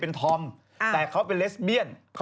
นี่คุณซู่ซี่เธอ